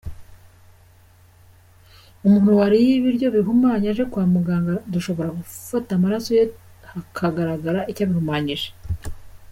Umuntu wariye ibiryo bihumanye aje kwa muganga dushobora gufata amaraso ye hakagaragara icyabihumanyije.